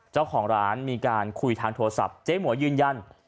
เจ้าของร้านมีการคุยทางโทรศัพท์เจ๊หมวยยืนยัน